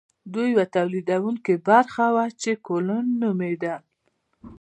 دوی یوه تولیدونکې برخه وه چې کولون نومیدل.